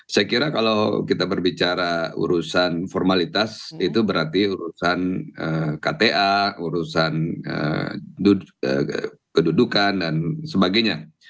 saya kira kalau kita berbicara urusan formalitas itu berarti urusan kta urusan kedudukan dan sebagainya